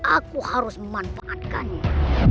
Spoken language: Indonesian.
aku harus memanfaatkannya